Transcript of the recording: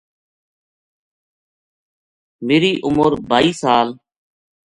میری عمر بائی سا ل